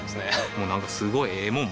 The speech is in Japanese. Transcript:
もうなんかすごいええもん